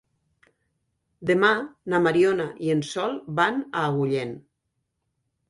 Demà na Mariona i en Sol van a Agullent.